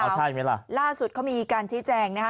ใช่ไหมล่ะล่าสุดเขามีการชี้แจงนะคะ